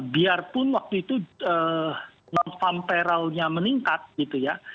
biarpun waktu itu non farm peralnya meningkat gitu ya